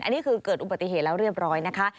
อันนี้คือเกิดอุบัติเหตุแล้วเรียบร้อยนะคะ